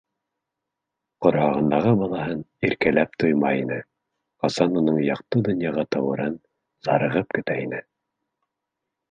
Ҡорһағындағы балаһын иркәләп туймай ине, ҡасан уның яҡты донъяға тыуырын зарығып көтә ине!